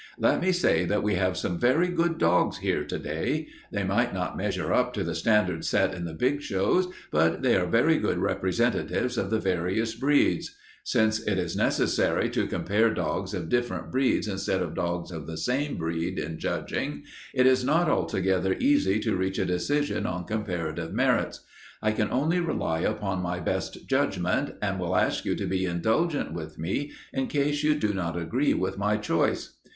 Let me say that we have some very good dogs here to day. They might not measure up to the standard set in the big shows, but they are very good representatives of the various breeds. Since it is necessary to compare dogs of different breeds instead of dogs of the same breed in judging, it is not altogether easy to reach a decision on comparative merits. I can only rely upon my best judgment and will ask you to be indulgent with me in case you do not agree with my choice.